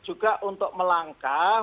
juga untuk melangkah